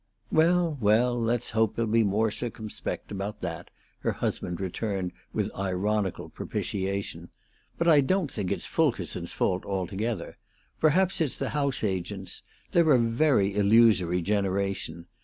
"Well, well, let's hope he'll be more circumspect about that," her husband returned, with ironical propitiation. "But I don't think it's Fulkerson's fault altogether. Perhaps it's the house agents'. They're a very illusory generation.